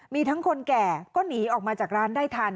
มีทั้งคนแก่ก็หนีออกมาจากร้านได้ทัน